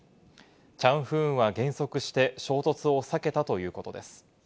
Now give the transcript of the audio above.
「チャンフーン」は減速して衝突を避けたということです。